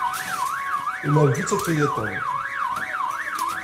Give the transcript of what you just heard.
Imerreg-itt akya Tom.